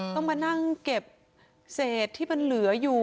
ต้องมานั่งเก็บเศษที่มันเหลืออยู่